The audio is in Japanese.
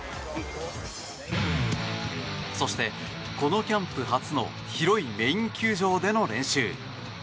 そして、このキャンプ初の広いメイン球場での練習。